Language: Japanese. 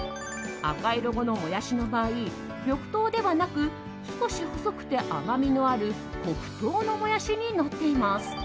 赤色のモヤシの場合緑豆ではなく、少し細くて甘みのある黒豆のモヤシになっています。